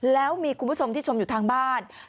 แล้วมีคุณผู้ชมที่ชมอยู่ทางบ้าน